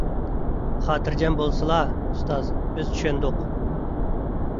خاتىرجەم بولسىلا، ئۇستاز، بىز چۈشەندۇق.